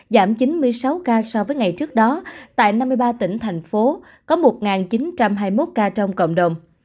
giảm chín mươi sáu ca so với ngày trước đó tại năm mươi ba tỉnh thành phố có một chín trăm hai mươi một ca trong cộng đồng